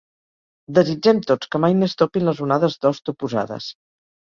Desitgem tots que mai més topin les onades d'host oposades.